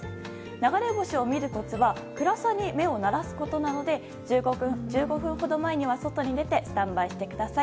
流れ星を見るコツは暗さに目を慣らすことなので１５分ほど前には外に出てスタンバイしてください。